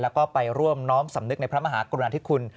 แล้วก็ไปร่วมน้อมสำนึกในพระมหากรุณาธิคุณ